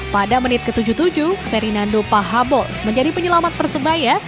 pada menit ke tujuh puluh tujuh fernando pahabol menjadi penyelamat persebaya